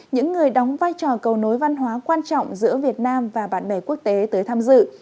những người đóng vai trò cầu nối văn hóa quan trọng giữa việt nam và bạn bè quốc tế tới tham dự